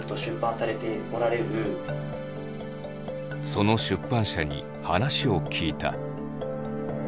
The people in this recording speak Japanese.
その出版社に話を聞いた。